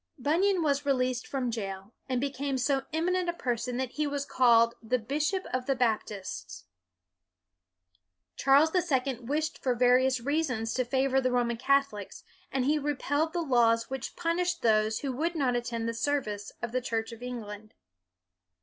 Bunyan was released from jail, and be came so eminent a person that he was called " the bishop of the Baptists." Charles the Second wished for various reasons to favor the Roman Catholics, and he repealed the laws which punished those w r ho would not attend the service of the Church of England.